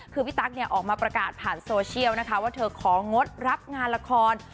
คือพี่ตั๊กเนี่ยออกมาประกาศผ่านโซเชียลนะคะว่าเธอของงดรับงานละคร